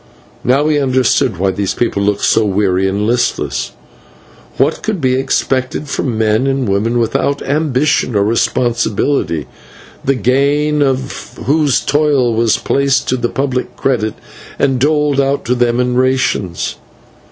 Now we understood why these people looked so weary and listless. What could be expected from men and women without ambition or responsibility, the gain of whose toil was placed to the public credit and doled out to them in rations?